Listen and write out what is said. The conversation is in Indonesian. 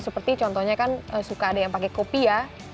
seperti contohnya kan suka ada yang pakai kopi ya